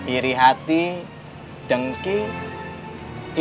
iri hati dengkir hati